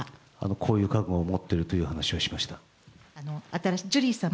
こういう覚悟を持っているという話をしました。